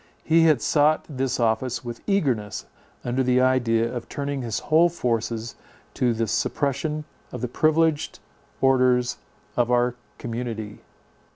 He had sought this office with eagerness, under the idea of turning his whole forces to the suppression of the privileged orders of our community.